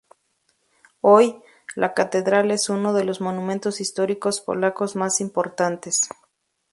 Hoy, la catedral es uno de los monumentos históricos polacos más importantes.